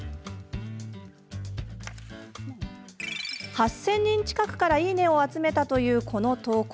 ８０００人近くからいいねを集めたという、この投稿。